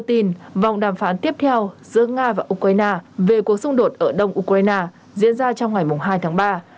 tin vòng đàm phán tiếp theo giữa nga và ukraine về cuộc xung đột ở đông ukraine diễn ra trong ngày hai tháng ba